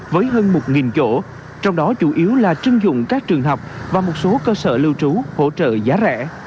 với hơn một chỗ trong đó chủ yếu là chưng dụng các trường học và một số cơ sở lưu trú hỗ trợ giá rẻ